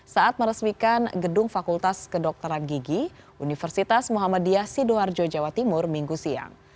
saat meresmikan gedung fakultas kedokteran gigi universitas muhammadiyah sidoarjo jawa timur minggu siang